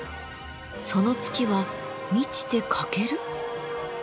その月は満ちて欠ける！？